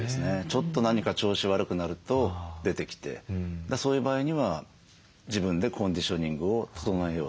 ちょっと何か調子悪くなると出てきてそういう場合には自分でコンディショニングを整えようと。